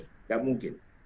jadi kita harus memperbaiki